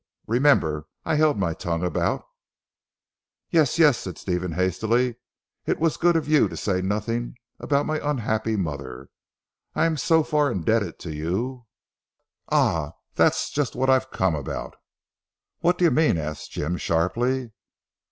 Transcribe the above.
Remember, I held my tongue about " "Yes! Yes," said Stephen hastily, "it was good of you to say nothing about my unhappy mother. I am so far indebted to you " "Ah! that's just what I've come about." "What do you mean?" asked Jim sharply.